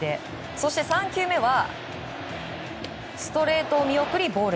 そして、３球目はストレートを見送りボール。